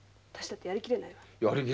私だってやりきれないわ。